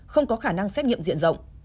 không có khả năng xét nghiệm diện rộng